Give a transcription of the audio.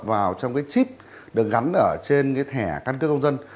vào trong cái chip được gắn ở trên cái thẻ căn cước công dân